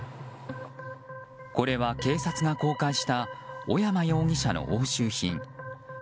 これは、警察が公開した小山容疑者の押収品。